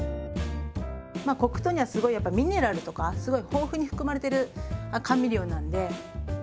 黒糖にはすごいやっぱミネラルとかすごい豊富に含まれてる甘味料なんで。